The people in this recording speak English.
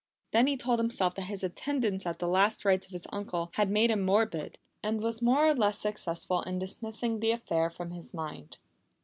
Then he told himself that his attendance at the last rites of his uncle had made him morbid, and was more or less successful in dismissing the affair from his mind.